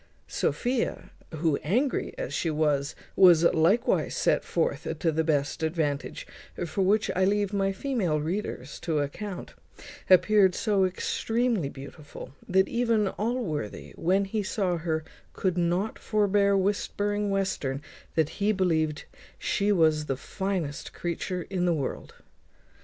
Sophia, who, angry as she was, was likewise set forth to the best advantage, for which I leave my female readers to account, appeared so extremely beautiful, that even Allworthy, when he saw her, could not forbear whispering Western, that he believed she was the finest creature in the world.